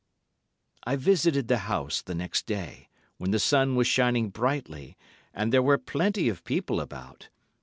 I visited the house the next day, when the sun was shining brightly and there were plenty of people about.